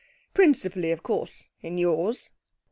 Principally, of course, in yours.'